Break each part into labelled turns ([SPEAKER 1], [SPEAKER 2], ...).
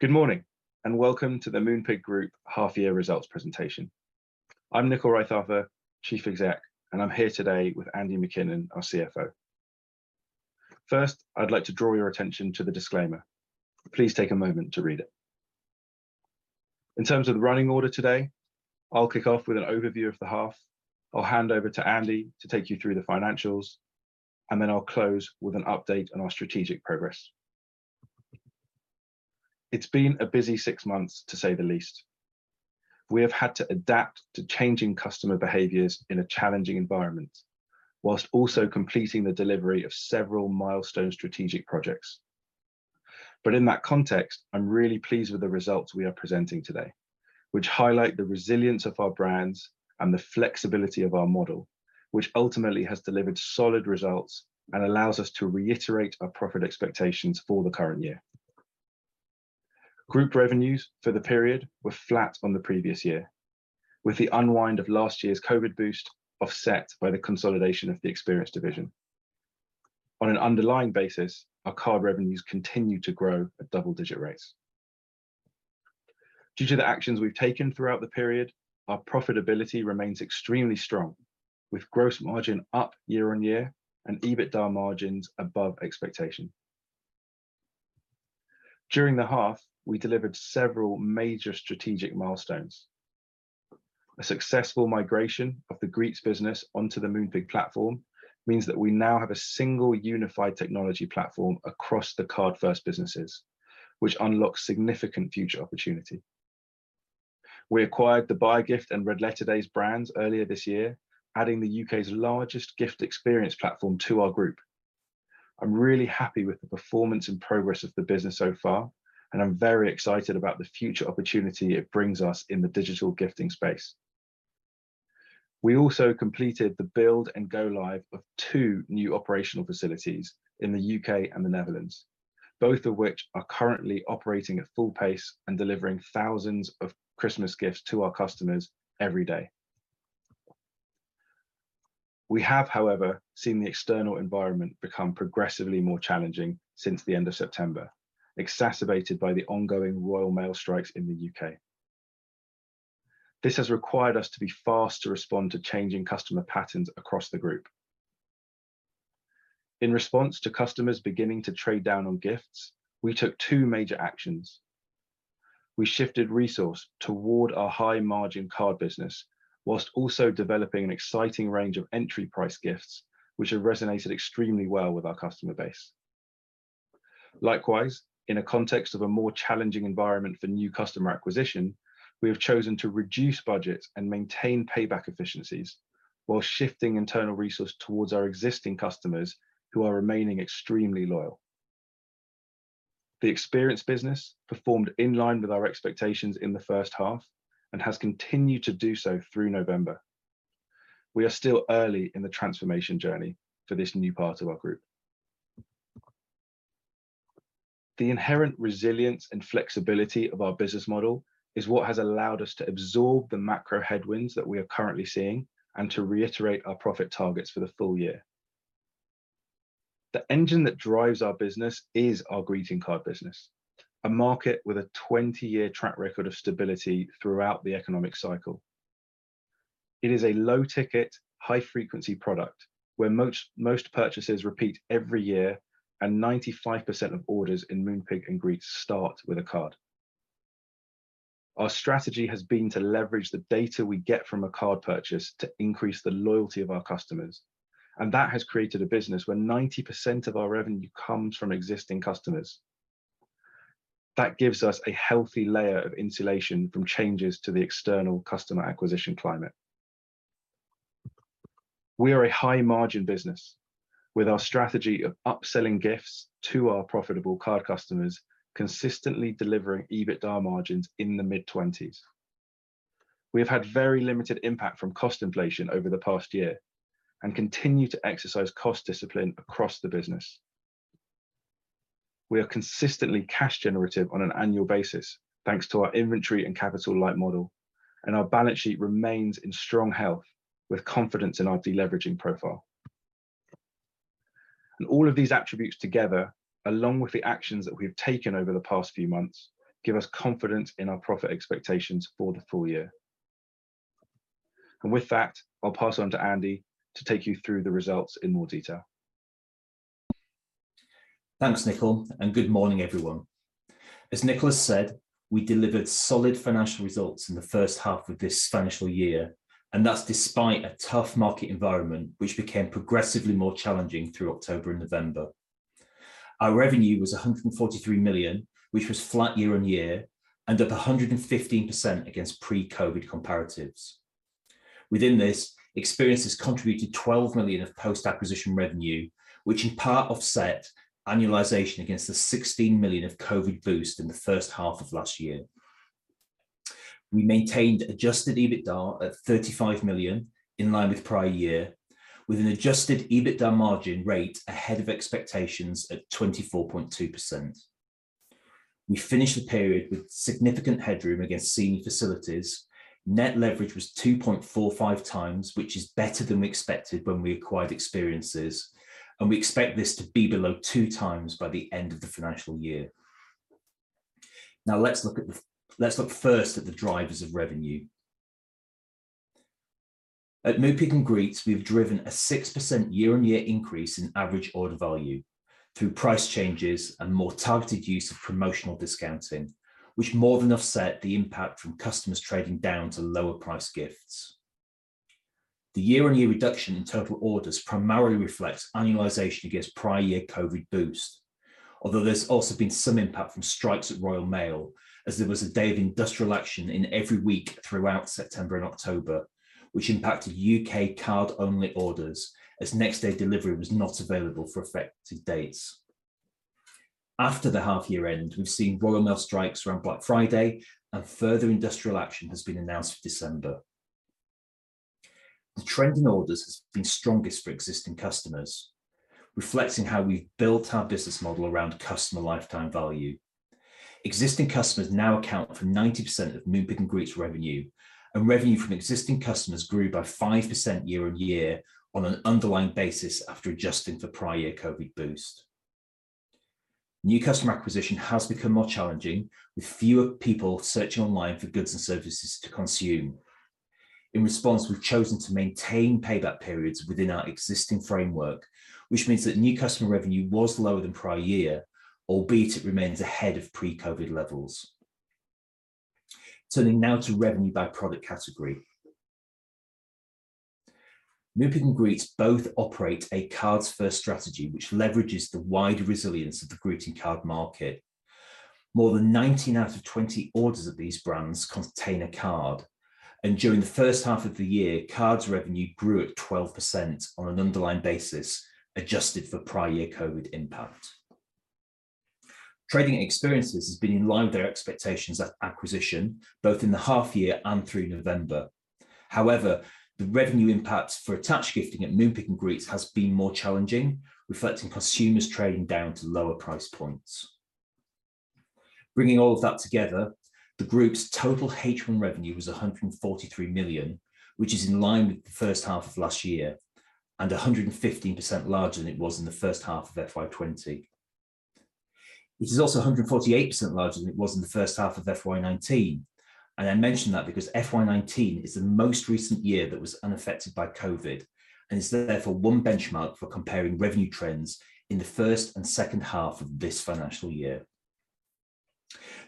[SPEAKER 1] Good morning, and welcome to the Moonpig Group half year results presentation. I'm Nickyl Raithatha, Chief Exec, and I'm here today with Andy MacKinnon, our CFO. First, I'd like to draw your attention to the disclaimer. Please take a moment to read it. In terms of the running order today, I'll kick off with an overview of the half. I'll hand over to Andy to take you through the financials, and then I'll close with an update on our strategic progress. It's been a busy six months to say the least. We have had to adapt to changing customer behaviors in a challenging environment, whilst also completing the delivery of several milestone strategic projects. In that context, I'm really pleased with the results we are presenting today, which highlight the resilience of our brands and the flexibility of our model, which ultimately has delivered solid results and allows us to reiterate our profit expectations for the current year. Group revenues for the period were flat on the previous year, with the unwind of last year's COVID boost offset by the consolidation of the Experiences division. On an underlying basis, our card revenues continue to grow at double-digit rates. Due to the actions we've taken throughout the period, our profitability remains extremely strong, with gross margin up year-on-year and EBITDA margins above expectation. During the half, we delivered several major strategic milestones. A successful migration of the Greetz business onto the Moonpig platform means that we now have a single unified technology platform across the card first businesses, which unlocks significant future opportunity. We acquired the Buyagift and Red Letter Days brands earlier this year, adding the U.K.'s largest gift experience platform to our group. I'm really happy with the performance and progress of the business so far, and I'm very excited about the future opportunity it brings us in the digital gifting space. We also completed the build and go live of two new operational facilities in the U.K. and the Netherlands, both of which are currently operating at full pace and delivering thousands of Christmas gifts to our customers every day. We have, however, seen the external environment become progressively more challenging since the end of September, exacerbated by the ongoing Royal Mail strikes in the U.K. This has required us to be fast to respond to changing customer patterns across the group. In response to customers beginning to trade down on gifts, we took two major actions. We shifted resource toward our high margin card business, while also developing an exciting range of entry price gifts, which have resonated extremely well with our customer base. Likewise, in a context of a more challenging environment for new customer acquisition, we have chosen to reduce budgets and maintain payback efficiencies, while shifting internal resource toward our existing customers who are remaining extremely loyal. The Experience business performed in line with our expectations in the H1 and has continued to do so through November. We are still early in the transformation journey for this new part of our group. The inherent resilience and flexibility of our business model is what has allowed us to absorb the macro headwinds that we are currently seeing, to reiterate our profit targets for the full year. The engine that drives our business is our greeting card business, a market with a 20-year track record of stability throughout the economic cycle. It is a low ticket, high frequency product where most purchases repeat every year, 95% of orders in Moonpig & Greetz start with a card. Our strategy has been to leverage the data we get from a card purchase to increase the loyalty of our customers, that has created a business where 90% of our revenue comes from existing customers. That gives us a healthy layer of insulation from changes to the external customer acquisition climate. We are a high margin business with our strategy of upselling gifts to our profitable card customers, consistently delivering EBITDA margins in the mid-20s. We have had very limited impact from cost inflation over the past year and continue to exercise cost discipline across the business. Our balance sheet remains in strong health with confidence in our deleveraging profile. All of these attributes together, along with the actions that we have taken over the past few months, give us confidence in our profit expectations for the full year. With that, I'll pass on to Andy to take you through the results in more detail.
[SPEAKER 2] Thanks, Nickyl. Good morning everyone. As Nickyl said, we delivered solid financial results in the H1 of this financial year. That's despite a tough market environment, which became progressively more challenging through October and November. Our revenue was 143 million, which was flat year-on-year and up 115% against pre-COVID comparatives. Within this, Experiences contributed 12 million of post-acquisition revenue, which in part offset annualization against the 16 million of COVID boost in the H1 of last year. We maintained adjusted EBITDA at 35 million, in line with prior year, with an adjusted EBITDA margin rate ahead of expectations at 24.2%. We finished the period with significant headroom against senior facilities. Net leverage was 2.45x, which is better than we expected when we acquired Experiences, we expect this to be below 2x by the end of the financial year. Let's look first at the drivers of revenue. At Moonpig & Greetz, we've driven a 6% year-on-year increase in Average Order Value through price changes and more targeted use of promotional discounting, which more than offset the impact from customers trading down to lower price gifts. The year-on-year reduction in total orders primarily reflects annualization against prior year COVID boost. There's also been some impact from strikes at Royal Mail, as there was a day of industrial action in every week throughout September and October, which impacted U.K. card-only orders as next day delivery was not available for affected dates. After the half year end, we've seen Royal Mail strikes around Black Friday and further industrial action has been announced for December. The trend in orders has been strongest for existing customers, reflecting how we've built our business model around Customer Lifetime Value. Existing customers now account for 90% of Moonpig & Greetz revenue, and revenue from existing customers grew by 5% year-on-year on an underlying basis after adjusting for prior year COVID boost. New customer acquisition has become more challenging, with fewer people searching online for goods and services to consume. In response, we've chosen to maintain payback periods within our existing framework, which means that new customer revenue was lower than prior year, albeit it remains ahead of pre-COVID levels. Turning now to revenue by product category. Moonpig & Greetz both operate a cards first strategy, which leverages the wide resilience of the greeting card market. More than 19 out of 20 orders of these brands contain a card. During the H1 of the year, cards revenue grew at 12% on an underlying basis, adjusted for prior year COVID impact. Trading at Experiences has been in line with their expectations at acquisition, both in the half year and through November. The revenue impact for attached gifting at Moonpig & Greetz has been more challenging, reflecting consumers trading down to lower price points. Bringing all of that together, the group's total H1 revenue was 143 million, which is in line with the H1 of last year, and 115% larger than it was in the H1 of FY 2020. It is also 148% larger than it was in the H1 of FY 2019. I mention that because FY 2019 is the most recent year that was unaffected by COVID, and is therefore one benchmark for comparing revenue trends in the first and H2 of this financial year.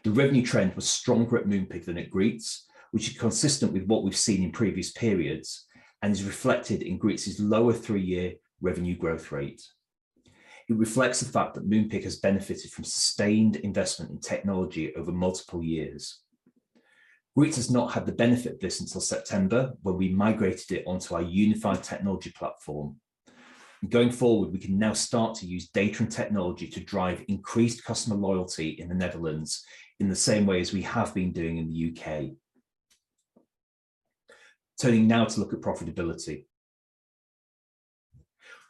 [SPEAKER 2] The revenue trend was stronger at Moonpig than at Greetz, which is consistent with what we've seen in previous periods, and is reflected in Greetz' lower three year revenue growth rate. It reflects the fact that Moonpig has benefited from sustained investment in technology over multiple years. Greetz has not had the benefit of this until September, when we migrated it onto our unified technology platform. Going forward, we can now start to use data and technology to drive increased customer loyalty in the Netherlands in the same way as we have been doing in the U.K. Turning now to look at profitability.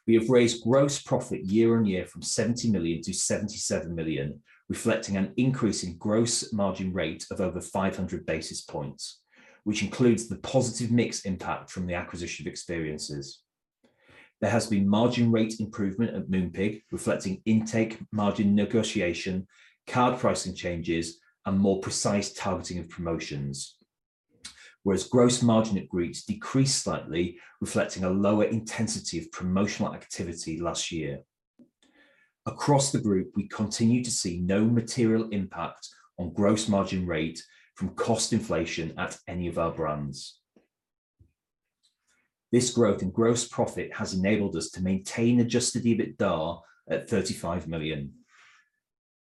[SPEAKER 2] We have raised gross profit year-on-year from 70 million to 77 million, reflecting an increase in gross margin rate of over 500 basis points, which includes the positive mix impact from the acquisition of Experiences. There has been margin rate improvement at Moonpig, reflecting intake margin negotiation, card pricing changes, and more precise targeting of promotions. Whereas gross margin at Greetz decreased slightly, reflecting a lower intensity of promotional activity last year. Across the group, we continue to see no material impact on gross margin rate from cost inflation at any of our brands. This growth in gross profit has enabled us to maintain adjusted EBITDA at 35 million.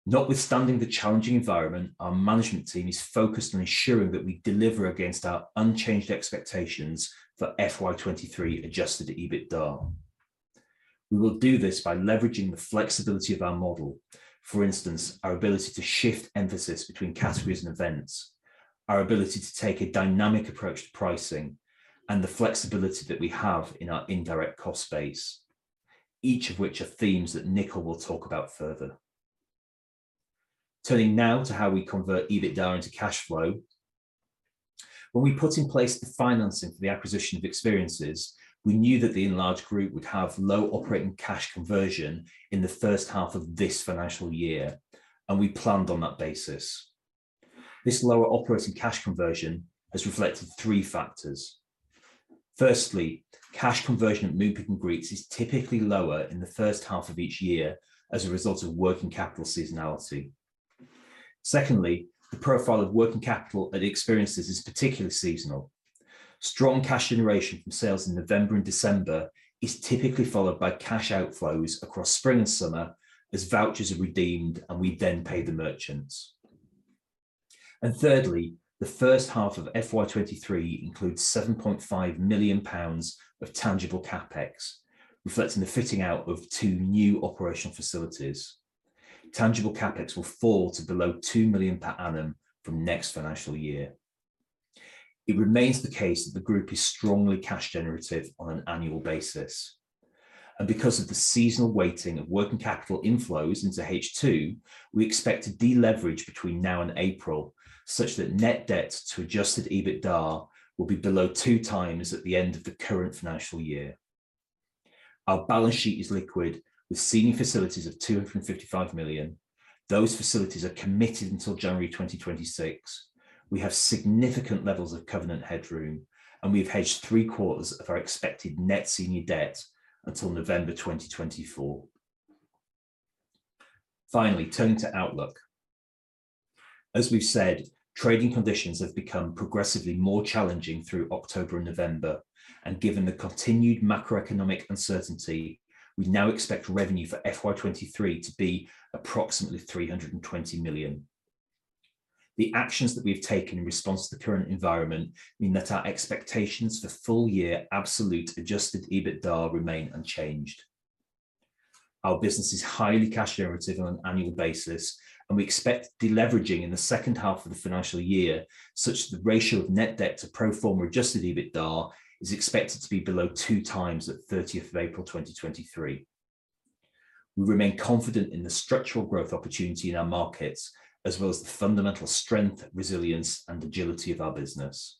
[SPEAKER 2] Notwithstanding the challenging environment, our management team is focused on ensuring that we deliver against our unchanged expectations for FY 2023 adjusted EBITDA. We will do this by leveraging the flexibility of our model. For instance, our ability to shift emphasis between categories and events, our ability to take a dynamic approach to pricing, and the flexibility that we have in our indirect cost base, each of which are themes that Nickyl will talk about further. Turning now to how we convert EBITDA into cash flow. When we put in place the financing for the acquisition of Experiences, we knew that the enlarged group would have low operating cash conversion in the H1 of this financial year, and we planned on that basis. This lower operating cash conversion has reflected three factors. Firstly, cash conversion at Moonpig & Greetz is typically lower in the H1 of each year as a result of working capital seasonality. Secondly, the profile of working capital at Experiences is particularly seasonal. Strong cash generation from sales in November and December is typically followed by cash outflows across spring and summer as vouchers are redeemed and we then pay the merchants. Thirdly, the H1 of FY 2023 includes 7.5 million pounds of tangible CapEx, reflecting the fitting out of two new operational facilities. Tangible CapEx will fall to below 2 million per annum from next financial year. It remains the case that the group is strongly cash generative on an annual basis. Because of the seasonal weighting of working capital inflows into H2, we expect to deleverage between now and April such that net debt to adjusted EBITDA will be below 2x at the end of the current financial year. Our balance sheet is liquid with senior facilities of 255 million. Those facilities are committed until January 2026. We have significant levels of covenant headroom, and we have hedged three-quarters of our expected net senior debt until November 2024. Finally, turning to outlook. As we've said, trading conditions have become progressively more challenging through October and November. Given the continued macroeconomic uncertainty, we now expect revenue for FY 2023 to be approximately 320 million. The actions that we've taken in response to the current environment mean that our expectations for full year absolute adjusted EBITDA remain unchanged. Our business is highly cash generative on an annual basis, and we expect deleveraging in the H2 of the financial year such that the ratio of net debt to pro forma adjusted EBITDA is expected to be below 2x at 30th of April 2023. We remain confident in the structural growth opportunity in our markets, as well as the fundamental strength, resilience, and agility of our business.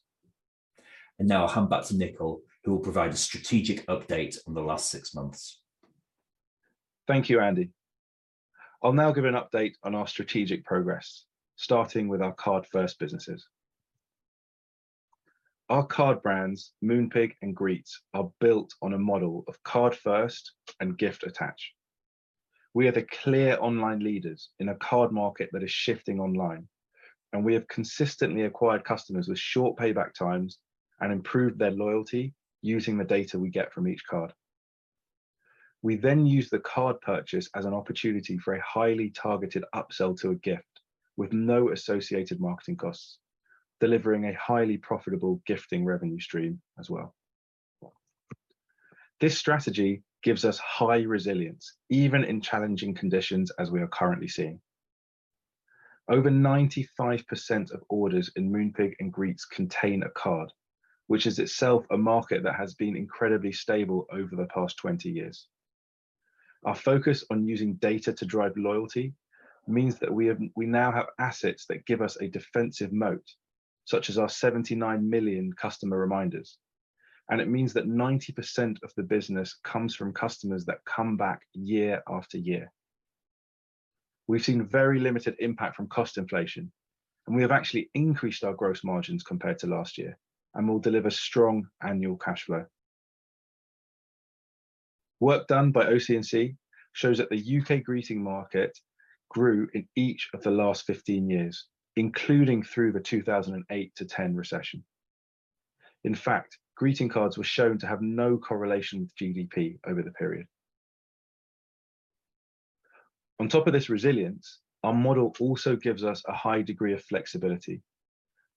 [SPEAKER 2] Now I'll hand back to Nickyl, who will provide a strategic update on the last six months.
[SPEAKER 1] Thank you, Andy. I'll now give an update on our strategic progress, starting with our card-first businesses. Our card brands, Moonpig & Greetz, are built on a model of card first and gift attach. We are the clear online leaders in a card market that is shifting online, and we have consistently acquired customers with short payback times and improved their loyalty using the data we get from each card. We then use the card purchase as an opportunity for a highly targeted upsell to a gift with no associated marketing costs, delivering a highly profitable gifting revenue stream as well. This strategy gives us high resilience, even in challenging conditions as we are currently seeing. Over 95% of orders in Moonpig & Greetz contain a card, which is itself a market that has been incredibly stable over the past 20 years. Our focus on using data to drive loyalty means that we now have assets that give us a defensive moat, such as our 79 million customer reminders, and it means that 90% of the business comes from customers that come back year after year. We've seen very limited impact from cost inflation, and we have actually increased our gross margins compared to last year and will deliver strong annual cash flow. Work done by OC&C shows that the U.K. greeting market grew in each of the last 15 years, including through the 2008-2010 recession. In fact, greeting cards were shown to have no correlation with GDP over the period. On top of this resilience, our model also gives us a high degree of flexibility,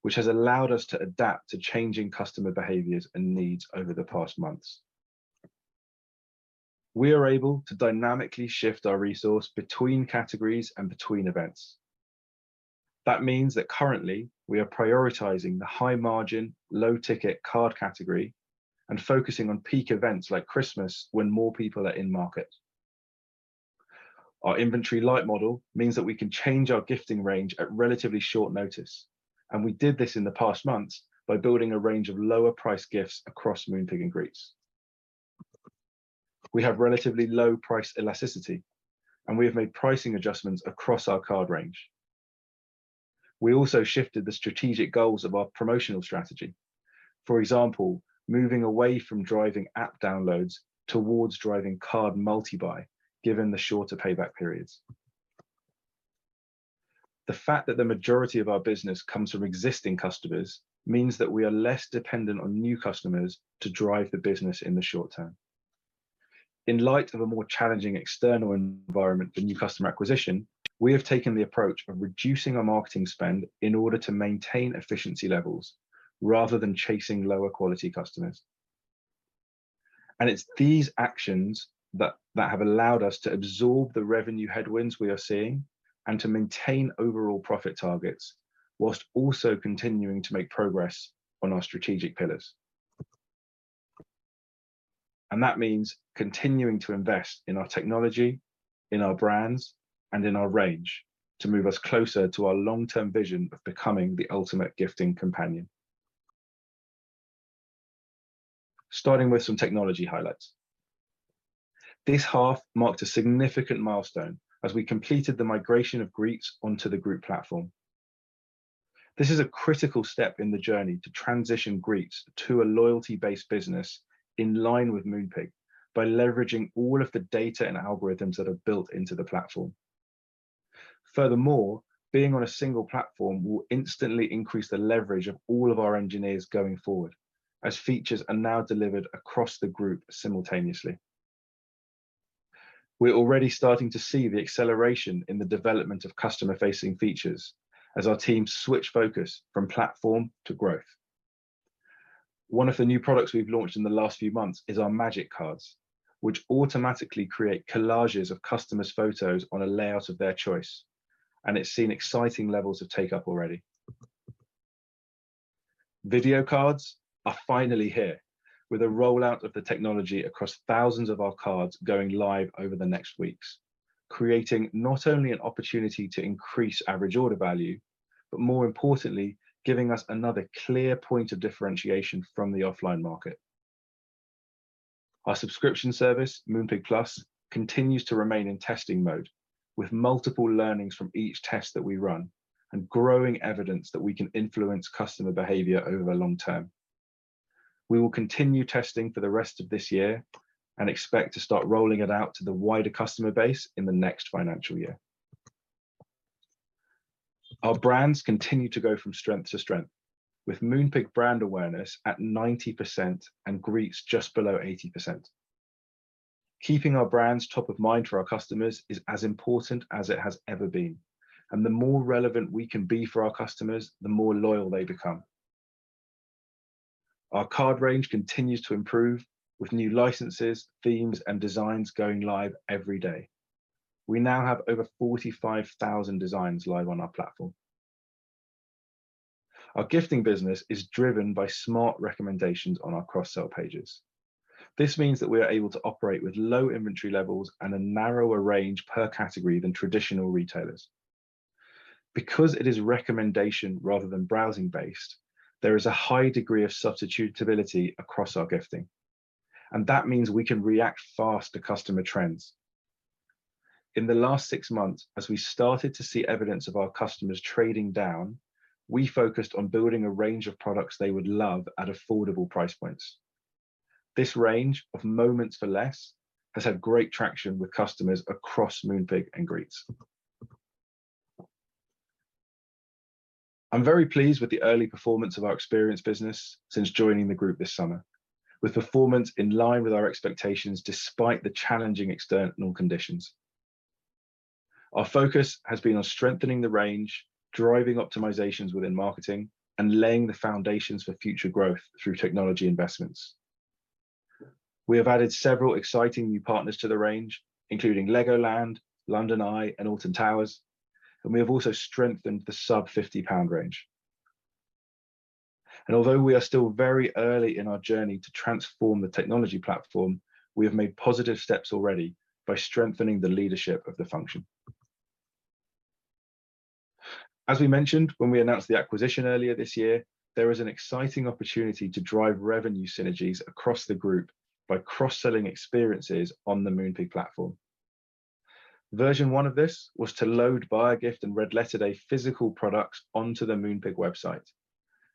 [SPEAKER 1] which has allowed us to adapt to changing customer behaviors and needs over the past months. We are able to dynamically shift our resource between categories and between events. That means that currently we are prioritizing the high margin, low ticket card category and focusing on peak events like Christmas when more people are in market. Our inventory light model means that we can change our gifting range at relatively short notice, and we did this in the past months by building a range of lower priced gifts across Moonpig & Greetz. We have relatively low price elasticity, and we have made pricing adjustments across our card range. We also shifted the strategic goals of our promotional strategy. For example, moving away from driving app downloads towards driving card multi-buy, given the shorter payback periods. The fact that the majority of our business comes from existing customers means that we are less dependent on new customers to drive the business in the short term. In light of a more challenging external environment for new customer acquisition, we have taken the approach of reducing our marketing spend in order to maintain efficiency levels rather than chasing lower quality customers. It's these actions that have allowed us to absorb the revenue headwinds we are seeing and to maintain overall profit targets whilst also continuing to make progress on our strategic pillars. That means continuing to invest in our technology, in our brands, and in our range to move us closer to our long-term vision of becoming the ultimate gifting companion. Starting with some technology highlights. This half marked a significant milestone as we completed the migration of Greetz onto the Group platform. This is a critical step in the journey to transition Greetz to a loyalty based business in line with Moonpig by leveraging all of the data and algorithms that are built into the platform. Being on a single platform will instantly increase the leverage of all of our engineers going forward as features are now delivered across the group simultaneously. We're already starting to see the acceleration in the development of customer facing features as our teams switch focus from platform to growth. One of the new products we've launched in the last few months is our Magic Cards, which automatically create collages of customers' photos on a layout of their choice, and it's seen exciting levels of take-up already. Video Cards are finally here with a rollout of the technology across thousands of our cards going live over the next weeks. Creating not only an opportunity to increase Average Order Value, but more importantly, giving us another clear point of differentiation from the offline market. Our subscription service, Moonpig Plus, continues to remain in testing mode, with multiple learnings from each test that we run and growing evidence that we can influence customer behavior over the long term. We will continue testing for the rest of this year and expect to start rolling it out to the wider customer base in the next financial year. Our brands continue to go from strength to strength, with Moonpig brand awareness at 90% and Greetz just below 80%. Keeping our brands top of mind for our customers is as important as it has ever been, and the more relevant we can be for our customers, the more loyal they become. Our card range continues to improve with new licenses, themes, and designs going live every day. We now have over 45,000 designs live on our platform. Our gifting business is driven by smart recommendations on our cross-sell pages. This means that we are able to operate with low inventory levels and a narrower range per category than traditional retailers. Because it is recommendation rather than browsing based, there is a high degree of substitutability across our gifting, and that means we can react fast to customer trends. In the last six months, as we started to see evidence of our customers trading down, we focused on building a range of products they would love at affordable price points. This range of moments for less has had great traction with customers across Moonpig & Greetz. I'm very pleased with the early performance of our Experiences business since joining the group this summer, with performance in line with our expectations despite the challenging external conditions. Our focus has been on strengthening the range, driving optimizations within marketing, and laying the foundations for future growth through technology investments. We have added several exciting new partners to the range, including Legoland, London Eye, and Alton Towers, and we have also strengthened the sub 50 pound range. Although we are still very early in our journey to transform the technology platform, we have made positive steps already by strengthening the leadership of the function. As we mentioned when we announced the acquisition earlier this year, there is an exciting opportunity to drive revenue synergies across the group by cross-selling Experiences on the Moonpig platform. Version one of this was to load, Buyagift, and Red Letter Days physical products onto the Moonpig website,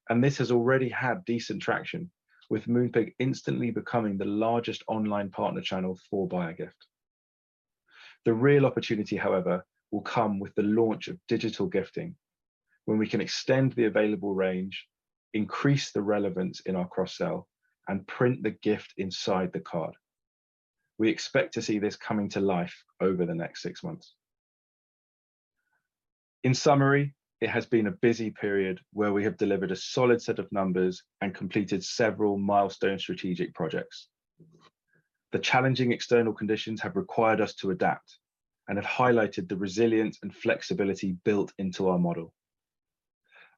[SPEAKER 1] and this has already had decent traction, with Moonpig instantly becoming the largest online partner channel for Buyagift. The real opportunity, however, will come with the launch of digital gifting, when we can extend the available range, increase the relevance in our cross-sell, and print the gift inside the card. We expect to see this coming to life over the next six months. In summary, it has been a busy period where we have delivered a solid set of numbers and completed several milestone strategic projects. The challenging external conditions have required us to adapt and have highlighted the resilience and flexibility built into our model.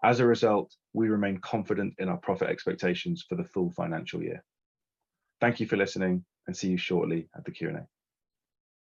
[SPEAKER 1] As a result, we remain confident in our profit expectations for the full financial year. Thank you for listening, and see you shortly at the Q&A.